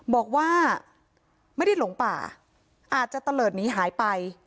บอกว่าไม่ได้หลงป่าอาจจะตะเลิศหนีหายไป